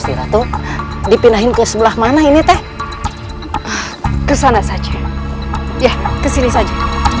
istirahat tuh dipindahin ke sebelah mana ini teh kesana saja ya kesini saja